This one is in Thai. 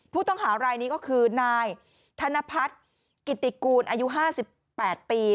ผู้ต้องหารายนี้ก็คือนายธนพัฒน์กิติกูลอายุ๕๘ปี